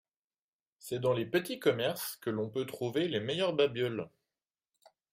C'est dans les petits commerces que l'on peut trouver les meilleurs babioles.